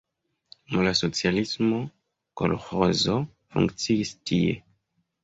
Dum la socialismo kolĥozo funkciis tie.